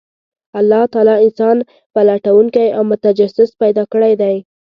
الله تعالی انسان پلټونکی او متجسس پیدا کړی دی،